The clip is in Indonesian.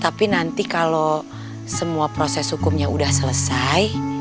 tapi nanti kalo semua proses hukumnya udah selesai